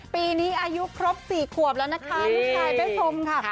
ปีนี้อายุครบ๔ขวบแล้วนะคะลูกชายแม่ชมค่ะ